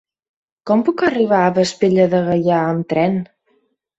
Com puc arribar a Vespella de Gaià amb tren?